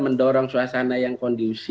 mendorong suasana yang kondisi